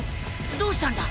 どうしたんだ？